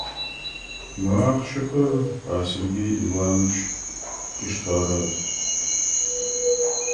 Это были те деньги, которые заплатил Сергей Иванович.